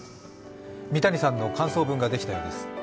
三谷さんの感想文ができたようです。